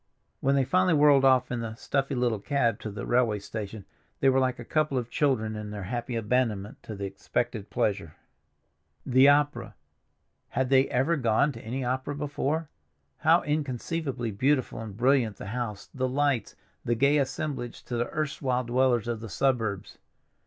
When they finally whirled off in the stuffy little cab to the railway station they were like a couple of children in their happy abandonment to the expected pleasure. The opera—had they ever gone to any opera before? How inconceivably beautiful and brilliant the house, the lights, the gay assemblage to the erstwhile dwellers of the suburbs!